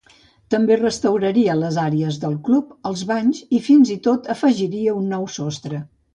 També restauraria les àrees del club, els banys i fins i tot afegiria un nou sostre.